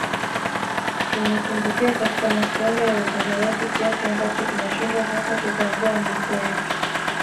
Tumetumbukia katika masuala ya utandawazi kiasi ambacho tunashindwa hata kutambua miiko yetu